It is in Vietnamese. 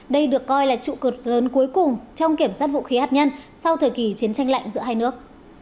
đây được coi là trụ cột lớn cuối cùng trong kiểm soát vũ khí hạt nhân sau thời kỳ chiến tranh lạnh giữa hai nước